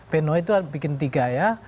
pleno itu bikin tiga ya